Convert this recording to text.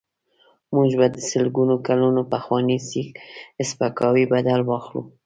موږ به د سلګونو کلونو پخواني سپکاوي بدل واخلو.